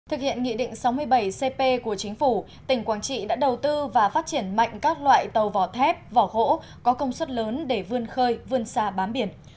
thực hiện nghị định sáu mươi bảy cp của chính phủ tỉnh quảng trị đã đầu tư và phát triển mạnh các loại tàu vỏ thép vỏ gỗ có công suất lớn để vươn khơi vươn xa bán biển